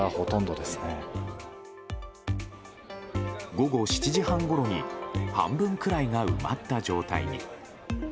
午後７時半ごろに半分くらいが埋まった状態に。